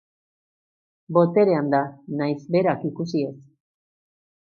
Boterean da, nahiz berak ikusi ez.